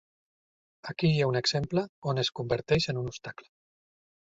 Aquí hi ha un exemple on es converteix en un obstacle.